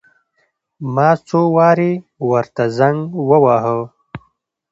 ما څو وارې ورته زنګ وواهه.